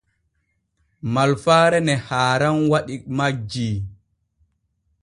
Malfaare ne haaran waɗi majjii.